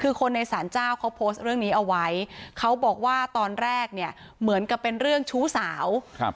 คือคนในสารเจ้าเขาโพสต์เรื่องนี้เอาไว้เขาบอกว่าตอนแรกเนี่ยเหมือนกับเป็นเรื่องชู้สาวครับ